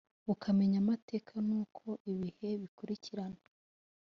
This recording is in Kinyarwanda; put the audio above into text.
bukamenya amateka n’uko ibihe bikurikirana.